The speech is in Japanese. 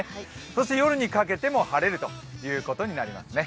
そして夜にかけても晴れるということですね。